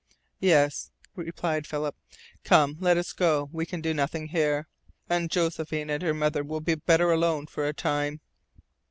"Yes," replied Philip. "Come. Let us go. We can do nothing here. And Josephine and her mother will be better alone for a time."